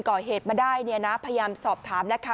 ก่อเหตุมาได้เนี่ยนะพยายามสอบถามนะคะ